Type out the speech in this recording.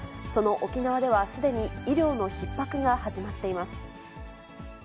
その沖縄では、すでに医療のひっ迫が始まっています。